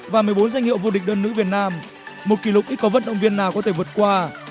và một mươi bốn danh hiệu vô địch đơn nữ việt nam một kỷ lục ít có vận động viên nào có thể vượt qua